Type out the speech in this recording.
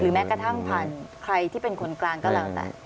แม้กระทั่งผ่านใครที่เป็นคนกลางก็แล้วแต่